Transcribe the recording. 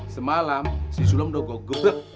semalam si sulam udah gua bebek